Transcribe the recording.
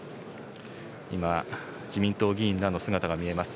今、自民党議員らの姿が見えます。